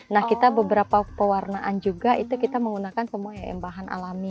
nah kita beberapa pewarnaan juga itu kita menggunakan semua bahan alami